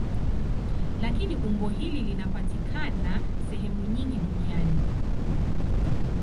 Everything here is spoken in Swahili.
Lakini umbo hili linapatikana sehemu nyingi duniani.